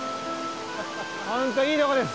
本当いいとこです。